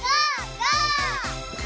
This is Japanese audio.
ゴー！